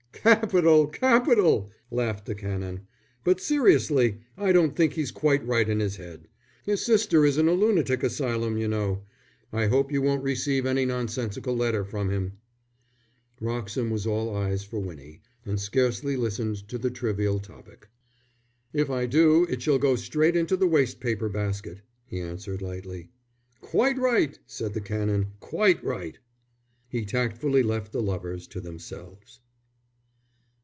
"Capital! Capital!" laughed the Canon. "But seriously I don't think he's quite right in his head. His sister is in a lunatic asylum, you know. I hope you won't receive any nonsensical letter from him." Wroxham was all eyes for Winnie, and scarcely listened to the trivial topic. "If I do, it shall go straight into the waste paper basket," he answered, lightly. "Quite right," said the Canon. "Quite right!" He tactfully left the lovers to themselves.